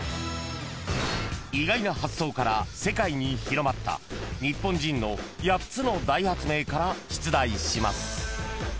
［意外な発想から世界に広まった日本人の８つの大発明から出題します］